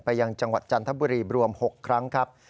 ยังจังหวัดจันทบุรีรวม๖ครั้งครับ